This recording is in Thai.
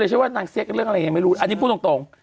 ใช่หรือว่านางเสียกันเรื่องอะไรยังไม่รู้อันนี้พูดตรง